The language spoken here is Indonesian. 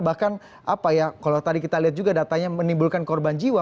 bahkan apa ya kalau tadi kita lihat juga datanya menimbulkan korban jiwa